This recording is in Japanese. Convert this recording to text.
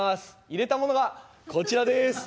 入れたものがこちらです。